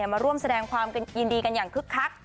มาร่วมแสดงความยินดีกันอย่างคึกคัก